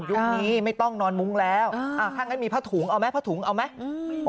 ยุคนี้ไม่ต้องนอนมุ้งแล้วถ้างั้นมีผ้าถุงเอาไหมผ้าถุงเอาไหม